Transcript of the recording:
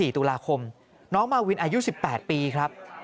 ๔ตุลาคมน้องมาวินอายุ๑๘ปีครับ